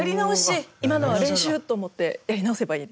今のは練習！と思ってやり直せばいいです。